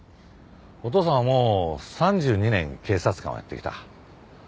お父さんはもう３２年警察官をやってきた。